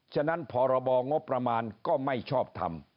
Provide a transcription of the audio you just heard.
ฉะนั้นพรบงบประมาณก็ไม่ชอบทำ